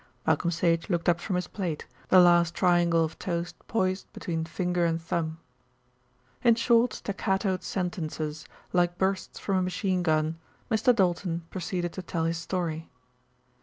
Malcolm Sage looked up from his plate, the last triangle of toast poised between finger and thumb. In short staccatoed sentences, like bursts from a machine gun, Mr. Doulton proceeded to tell his story.